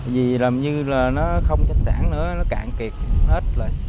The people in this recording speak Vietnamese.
vì làm như là nó không trách sản nữa nó cạn kiệt nó ít lời